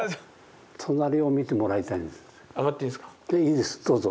いいですどうぞ。